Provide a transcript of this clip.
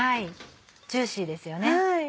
ジューシーですよね。